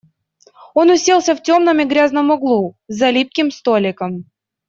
Он уселся в темном и грязном углу, за липким столиком.